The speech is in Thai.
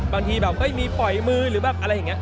บางทีแบบเฮ้ยมีปล่อยมือหรือแบบอะไรอย่างนี้